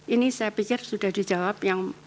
ini saya pikir sudah dijawab